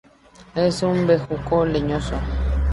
Es un bejuco leñoso.